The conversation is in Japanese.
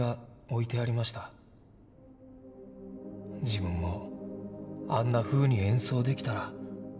「自分もあんなふうに演奏できたら」